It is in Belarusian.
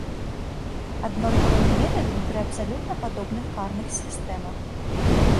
Аднолькавымі метадамі пры абсалютна падобных карных сістэмах.